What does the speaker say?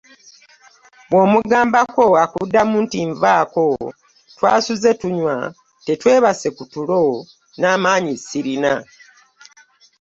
Bw'omugambako akuddamu nti "Nvaako, twasuze tunywa tetwebase ku tulo n'amaanyi sirina.